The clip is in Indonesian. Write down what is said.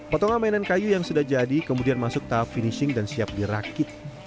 potongan mainan kayu yang sudah diwarnai kemudian masuk tahap finishing dan siap di rakit